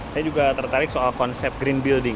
saya juga tertarik soal konsep green building